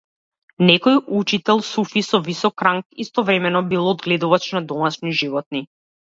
Некој учител, суфи со висок ранг, истовремено бил одгледувач на домашни животни.